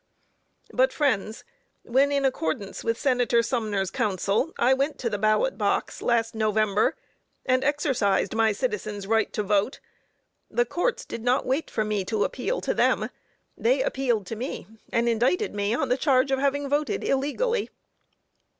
But, friends, when in accordance with Senator Summer's counsel, I went to the ballot box, last November, and exercised my citizen's right to vote, the courts did not wait for me to appeal to them they appealed to me, and indicted me on the charge of having voted illegally."